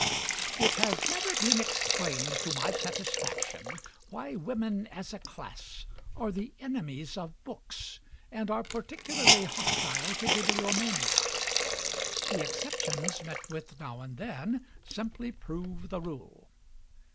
It has never been explained to my satisfaction why women, as a class, are the enemies of books, and are particularly hostile to bibliomania. The exceptions met with now and then simply prove the rule.